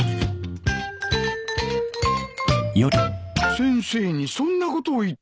先生にそんなことを言ったのか。